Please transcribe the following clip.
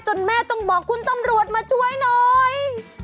แม่ต้องบอกคุณตำรวจมาช่วยหน่อย